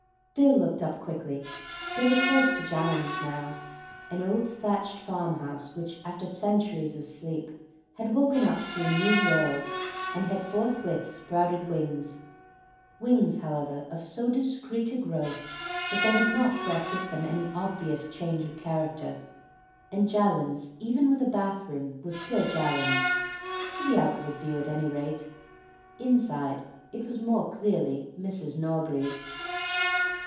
Bill looked up quickly. They were close to Jallands now, an old thatched farmhouse which, after centuries of sleep, had woken up to a new world, and had forthwith sprouted wings; wings, however, of so discreet a growth that they had not brought with them any obvious change of character, and Jallands even with a bathroom was still Jallands. To the outward view, at any rate. Inside, it was more clearly Mrs. Norbury's.